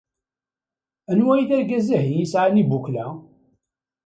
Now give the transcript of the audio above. Anwa i d argaz-ahi i yesɛan lbukla?